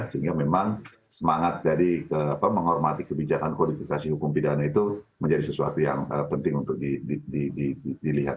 sehingga memang semangat dari menghormati kebijakan kualifikasi hukum pidana itu menjadi sesuatu yang penting untuk dilihat